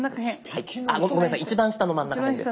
あっごめんなさい一番下の真ん中へんです。